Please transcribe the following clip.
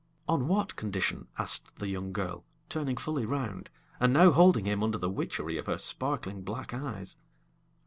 "On what condition?" asked the young girl, turning fully round, and now holding him under the witchery of her sparkling black eyes.